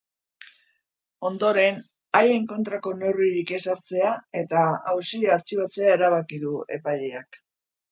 Ondoren, haien kontrako neurririk ez hartzea eta auzia artxibatzea erabaki du epaileak.